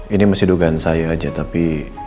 ini masih dugaan saya aja tapi